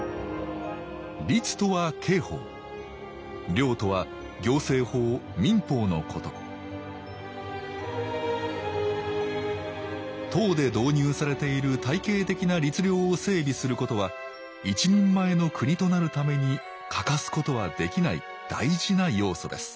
令とは行政法・民法のこと唐で導入されている体系的な律令を整備することは一人前の国となるために欠かすことはできない大事な要素です